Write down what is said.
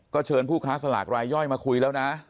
เชิญผู้ค้าสลากรายย่อยมาคุยแล้วนะ